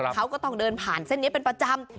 เขาก็ต้องเดินผ่านเส้นนี้เป็นประจำ